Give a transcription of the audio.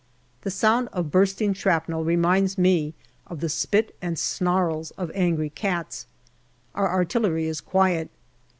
The sound of bursting shrapnel reminds me of the spit and snarls of angry cats. Our artillery is quiet.